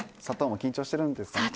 砂糖も緊張してるんですかね。